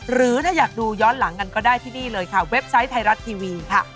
หรือถ้าอยากดูย้อนหลังกันก็ได้ที่นี่เลยค่ะเว็บไซต์ไทยรัฐทีวีค่ะ